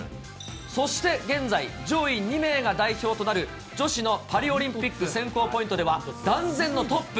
そして、現在、上位２名が代表となる女子のパリオリンピック選考ポイントでは、断然のトップ。